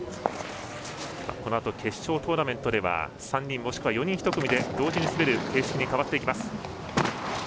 このあと決勝トーナメント３人、もしくは４人１組で同時に滑る形式に変わってきます。